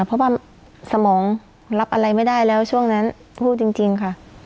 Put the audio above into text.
เพราะว่าสมองรับอะไรไม่ได้แล้วช่วงนั้นพูดจริงค่ะ